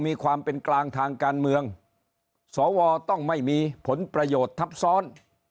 มีความเป็นกลางทางการเมืองสวต้องไม่มีผลประโยชน์ทับซ้อน